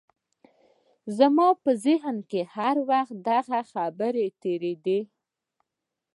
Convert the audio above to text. زما په ذهن کې هر وخت دغه خبرې تېرېدې.